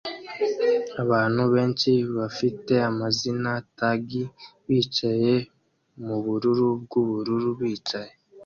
Abantu benshi bafite amazina-tagi bicaye mubururu bwubururu-bicaye